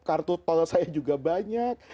kartu tol saya juga banyak